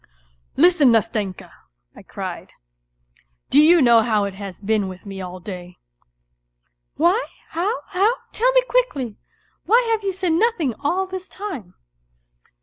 " Listen, Nastenka !" I cried. " Do you know how it has been with me all day." " Why, how, how ? Tell me quickly ! Why have you said nothing all this time